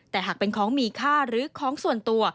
แต่หากเป็นของมีค่าหรือของส่วนตัว